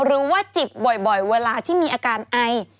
หรือว่าจิบบ่อยเวลาที่มีอาการไอ